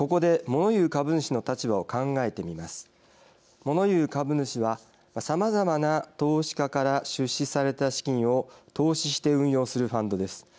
もの言う株主はさまざまな投資家から出資された資金を投資して運用するファンドです。